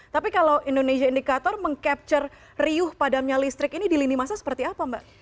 tapi kalau indonesia indicator meng capture riuh padamnya listrik ini di lini masa seperti apa mbak